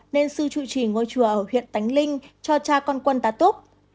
nên sư trụ trì ngôi chùa ở huyện tánh linh cho cha con quân ta tốt